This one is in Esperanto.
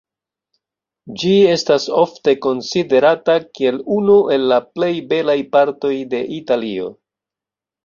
Ĝi estas ofte konsiderata kiel unu el la plej belaj partoj de Italio.